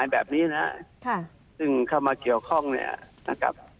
แบบนี้นะซึ่งเข้ามาเกี่ยวข้องเนี่ยนะครับ